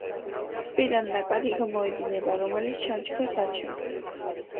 ტბიდან ნაკადი გამოედინება, რომელიც ჩანჩქერს აჩენს.